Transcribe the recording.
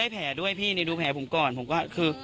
แผ่ด้วยภาพของผมก่อน